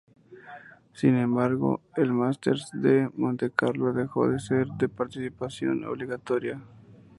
Sin embargo, el Masters de Montecarlo dejó de ser de participación obligatoria.